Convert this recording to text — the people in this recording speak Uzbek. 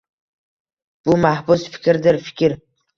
Bu mahbus — fikrdir, fikr!